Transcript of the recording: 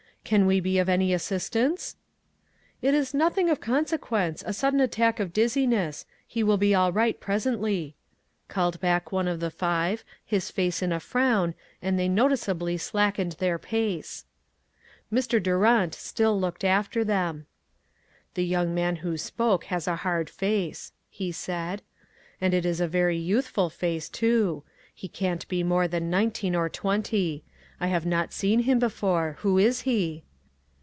Can we be of any assistance ?"" It is nothing of consequence, a sudden attack of dizziness; he will be all right presently," called back one of the five, his face in a frown, and they noticeably slack ened their pace. Mr. Durant still looked after them. " The young man who spoke has . a hard face," he said, "and it is a very youthful face, too. He can't be more than nineteen or twenty. I have not seen him before. Who is he?"